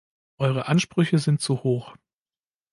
Eure Ansprüche sind zu hoch.